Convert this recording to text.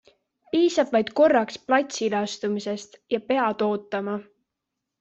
Piisab vaid korraks platsile astumisest ja pead ootama.